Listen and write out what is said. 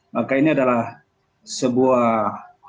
maka ini adalah sebuah